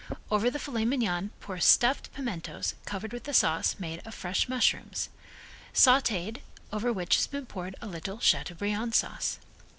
Over the fillet mignon pour stuffed pimentoes, covered with a sauce made of fresh mushrooms, sauteed sec over which has been poured a little chateaubriand sauce.